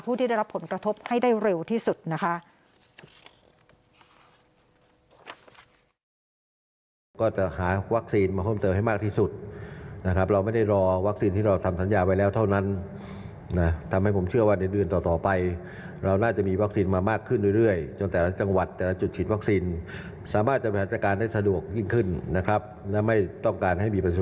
ที่ได้รับผลกระทบให้ได้เร็วที่สุดนะคะ